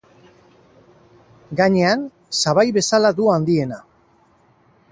Gainean, sabai bezala du handiena.